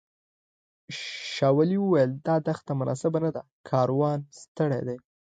شاولي وویل دا دښته مناسبه نه ده کاروان ستړی دی.